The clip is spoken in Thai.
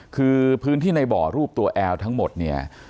คือพื้นที่ในบ่อรูปตัวแอลทั้งหมดเนี่ย